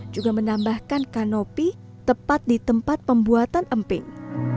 juga menambahkan kanopi tepat di tempat pembuatan emping